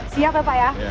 siap ya pak ya